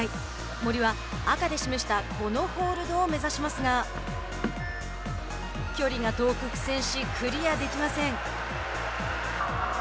森は赤で示したこのホールドを目指しますが距離が遠く苦戦しクリアできません。